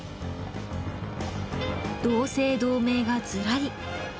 同姓同名がずらり。